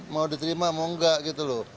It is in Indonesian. mau diterima mau enggak gitu loh